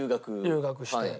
留学して。